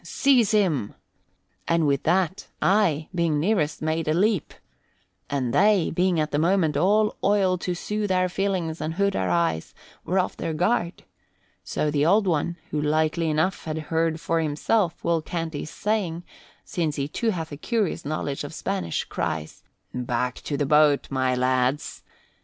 Seize him!' And with that I, being nearest, made a leap. And they, being at the moment all oil to soothe our feelings and hood our eyes, were off their guard. So the Old One, who likely enough had heard for himself Will Canty's saying, since he too hath a curious knowledge of Spanish, cries, 'Back to the boat, my lads!'